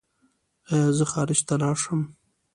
ایا زه خارج ته لاړ شم؟